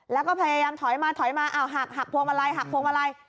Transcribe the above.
แล้วก็พยายามถอยมาถอยมาอ้าวหักหักพวงมาลัยหักพวงมาลัย